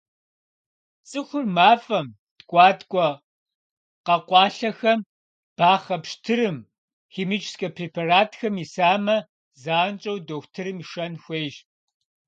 Цӏыхур мафӏэм, ткӏуаткӏуэ къэкъуалъэхэм, бахъэ пщтырым, химическэ препаратхэм исамэ, занщӏэу дохутырым шэн хуейщ.